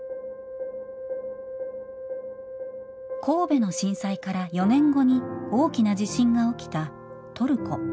神戸の震災から４年後に大きな地震が起きたトルコ。